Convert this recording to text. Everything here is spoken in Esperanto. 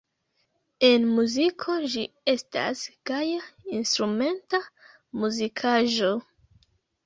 En muziko ĝi estas gaja instrumenta muzikaĵo.